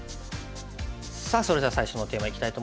さあそれでは最初のテーマいきたいと思います。